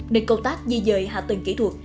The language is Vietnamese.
nên công tác di dời hạ tầng kỹ thuật